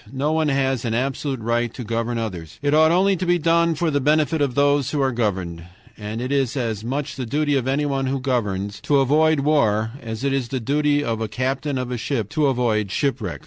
No one has an absolute right to govern others. It ought only to be done for the benefit of those who are governed. And it is as much the duty of anyone who governs to avoid war as it is the duty of a captain of a ship to avoid shipwreck.